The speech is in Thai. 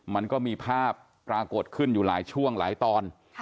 มันก็มีภาพปรากฏขึ้นอยู่หลายช่วงหลายตอน